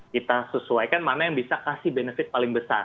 kita sesuaikan mana yang bisa kasih benefit paling besar